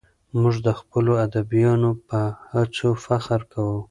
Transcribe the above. موږ د خپلو ادیبانو په هڅو فخر کوو.